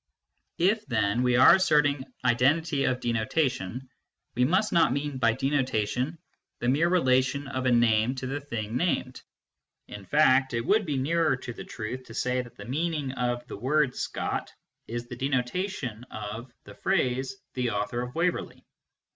If. then, we are asserting identity of denotation, we must not mean by denotation the mere relation of a name to the thing named. In fact, it would be nearer to the truth to say that the meaning of " Scott " is the denota tion of " the author of Waverley."